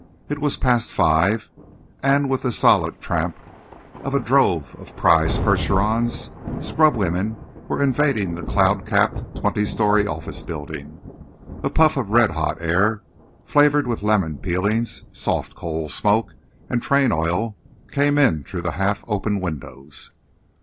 It was past five, and with the solid tramp of a drove of prize Percherons, scrub women were invading the cloud capped twenty story office building. A puff of red hot air flavoured with lemon peelings, soft coal smoke and train oil came in through the half open windows.